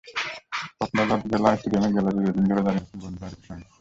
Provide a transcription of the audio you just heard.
কক্সবাজার জেলা স্টেডিয়ামের গ্যালারির রেলিং ধরে দাঁড়িয়ে আছেন বন্ধু আরিফের সঙ্গে।